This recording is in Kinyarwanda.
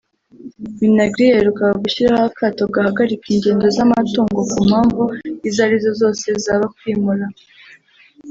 Minagri yaherukaga gushyiraho akato gahagarika ingendo z’amatungo ku mpamvu izo arizo zose zaba kwimura